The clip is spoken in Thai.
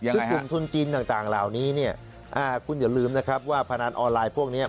คือกลุ่มทุนจีนต่างเหล่านี้เนี่ยคุณอย่าลืมนะครับว่าพนันออนไลน์พวกนี้